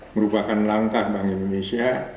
merupakan langkah bank indonesia